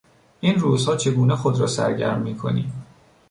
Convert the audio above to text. این روزها چگونه خود را سرگرم میکنی؟